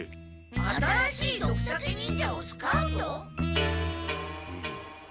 新しいドクタケ忍者をスカウト？